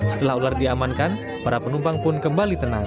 setelah ular diamankan para penumpang pun kembali tenang